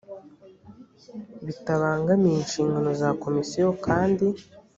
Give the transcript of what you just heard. bitabangamiye inshingano za komisiyo kandi